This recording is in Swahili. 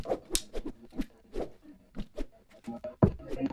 vijana wa siku hizi naona na huu ubrothermeni zaidi huu mtandao mtandao hawa